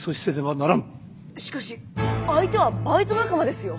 しかし相手はバイト仲間ですよ。